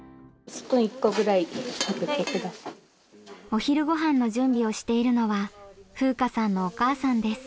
お昼ごはんの準備をしているのは風夏さんのお母さんです。